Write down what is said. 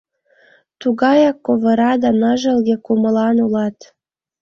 Тугаяк ковыра да ныжылге кумылан улат!